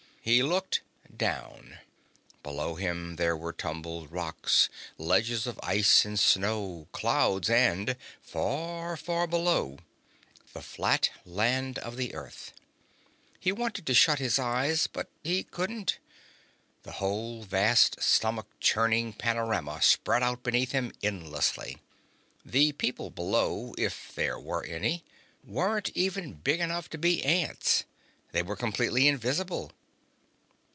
He looked down. Below him there were tumbled rocks, ledges of ice and snow, clouds and far, far below the flat land of the Earth. He wanted to shut his eyes, but he couldn't. The whole vast stomach churning panorama spread out beneath him endlessly. The people below, if there were any, weren't even big enough to be ants. They were completely invisible.